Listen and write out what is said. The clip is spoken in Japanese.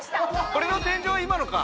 これの天井今のか。